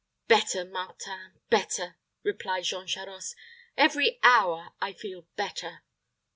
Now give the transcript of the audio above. "Better, Martin, better," replied Jean Charost. "Every hour I feel better."